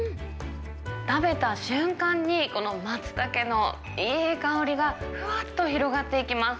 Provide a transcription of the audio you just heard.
食べた瞬間に、このマツタケのいい香りがふわっと広がっていきます。